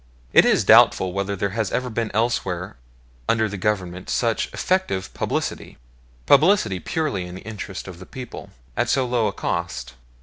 It is doubtful whether there has ever been elsewhere under the Government such effective publicity publicity purely in the interest of the people at so low a cost.